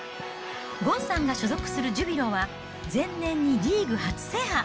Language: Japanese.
ゴンさんが所属するジュビロは、前年にリーグ初制覇。